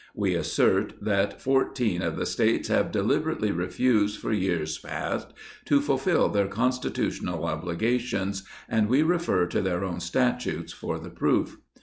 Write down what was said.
We assert, that fourteen of the States have deliberately refused for years past to fulfil their constitutional obliga tions, and we refer to their own Statutes for the proof.